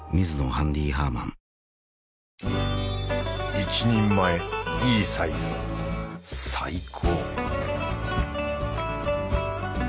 一人前いいサイズ最高！